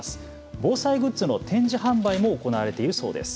防災グッズの展示販売も行われているそうです。